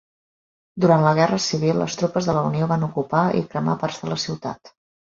Durant la Guerra Civil, les tropes de la Unió van ocupar i cremar parts de la ciutat.